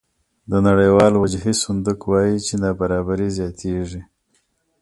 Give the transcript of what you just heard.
د نړیوال وجهي صندوق وایي چې نابرابري زیاتېږي